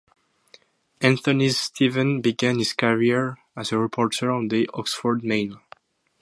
Anthony Steven began his career as a reporter on the "Oxford Mail".